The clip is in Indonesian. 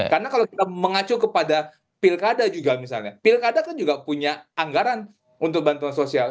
karena kalau kita mengacu kepada pilkada juga misalnya pilkada kan juga punya anggaran untuk bantuan sosial